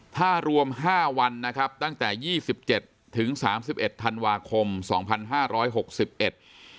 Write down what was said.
ถ้ารวมห้าวันนะครับตั้งแต่ยี่สิบเจ็ดถึงสามสิบเอ็ดธันวาคมสองพันห้าร้อยหกสิบเอ็ด